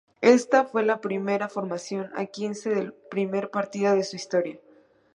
Esta fue la primera formación a quince del primer partido de su historia.